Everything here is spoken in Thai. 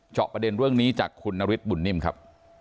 ประเด็นเรื่องนี้จากคุณนฤทธิบุญนิ่มครับ